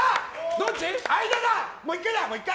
どっち？